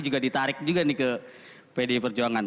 juga ditarik juga ke pd perjuangan